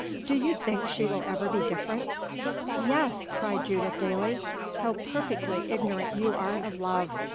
"Do you think she will ever be different?" "Yes," cried Judith, gayly. "How perfectly ignorant you are of love!